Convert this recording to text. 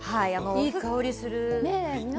いい香りする！